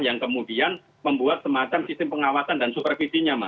yang kemudian membuat semacam sistem pengawasan dan supervisinya mas